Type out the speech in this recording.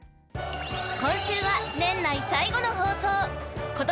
［今週は年内最後の放送］